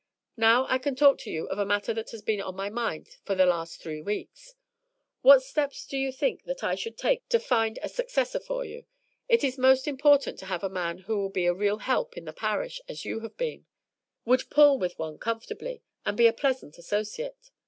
Now I can talk to you of a matter that has been on my mind for the last three weeks. What steps do you think that I ought to take to find a successor for you? It is most important to have a man who will be a real help in the parish, as you have been, would pull with one comfortably, and be a pleasant associate.